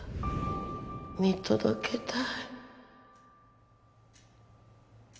見届けたい